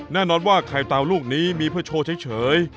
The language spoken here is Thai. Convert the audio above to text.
แน่นอนว่าไข่เตาลูกนี้มีเพื่อโชว์เฉย